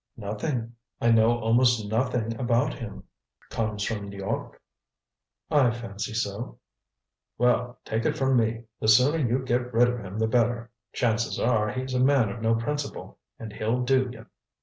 "Nothing I know almost nothing about him." "Comes from N'York?" "I fancy so." "Well, take it from me, the sooner you get rid of him the better. Chances are he's a man of no principle, and he'll do you."